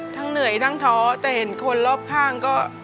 เหนื่อยทั้งท้อแต่เห็นคนรอบข้างก็